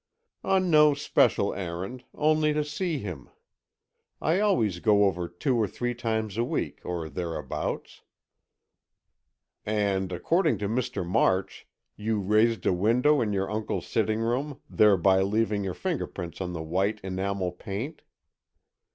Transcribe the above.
"On no especial errand; only to see him. I always go over two or three times a week, or thereabouts." "And, according to Mr. March, you raised a window in your uncle's sitting room, thereby leaving your fingerprints on the white enamel paint?"